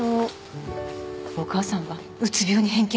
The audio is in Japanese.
お母さんはうつ病に偏見を持ってる